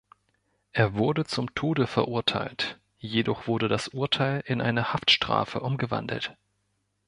Er wurde zum Tode verurteilt, jedoch wurde das Urteil in eine Haftstrafe umgewandelt.